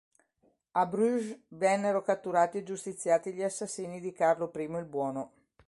A Bruges vennero catturati e giustiziati gli assassini di Carlo I il Buono.